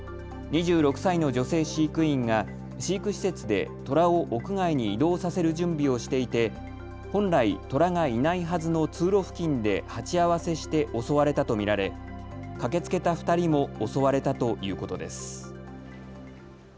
２６歳の女性飼育員が飼育施設でトラを屋外に移動させる準備をしていて本来トラがいないはずの通路付近で鉢合わせして襲われたと見られ駆けつけた２人も襲われたということです。